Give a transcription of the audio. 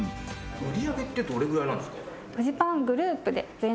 売上げってどれぐらいなんですか？